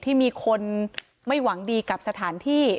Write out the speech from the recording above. ที่มีคนไม่หวังดีกับสถานที่